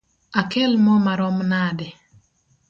Akel moo marom nade?